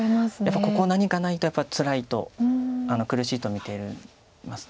やっぱここ何かないとつらいと苦しいと見てます。